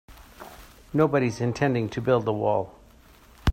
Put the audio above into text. Nobody's intending to build a wall.